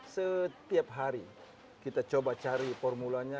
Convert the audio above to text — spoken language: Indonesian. setiap hari kita coba cari formulanya